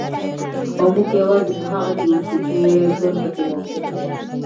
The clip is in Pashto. او موږ یوازې په هغه کې اوسو چې ژوند پکې ممکن دی.